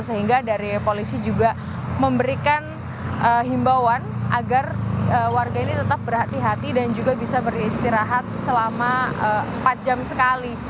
sehingga dari polisi juga memberikan himbauan agar warga ini tetap berhati hati dan juga bisa beristirahat selama empat jam sekali